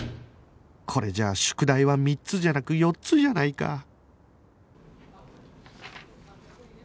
これじゃあ宿題は３つじゃなく４つじゃないか